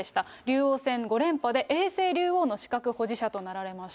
竜王戦５連覇で、永世竜王に資格保持者となられました。